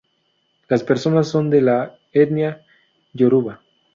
Las personas son de la etnia yoruba.